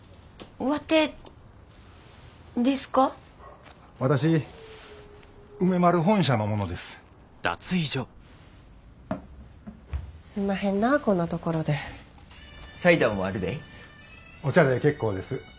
お茶で結構です。